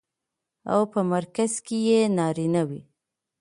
او په مرکز کې يې نارينه وي.